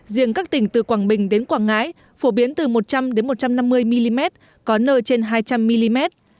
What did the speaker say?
riêng các tỉnh từ quảng bình đến quảng ngãi phổ biến từ một trăm linh một trăm năm mươi mm có nơi trên hai trăm linh mm